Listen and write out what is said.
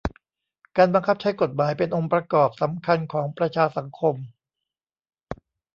การบังคับใช้กฎหมายเป็นองค์ประกอบสำคัญของประชาสังคม